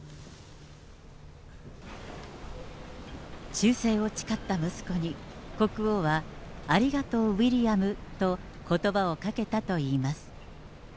忠誠を誓った息子に、国王はありがとう、ウィリアムとことばをかけたといいます。